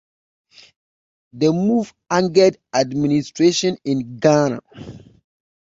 The move angered administration in Ghana.